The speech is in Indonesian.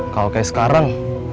kalau kayak sekarang